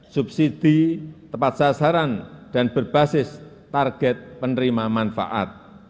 subsidi tepat sasaran dan berbasis target penerima manfaat